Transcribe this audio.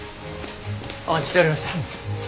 お待ちしておりました。